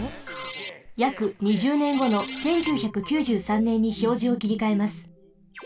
やく２０ねんごの１９９３ねんにひょうじをきりかえます。